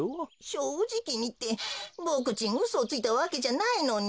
「しょうじきに」ってボクちんうそをついたわけじゃないのに。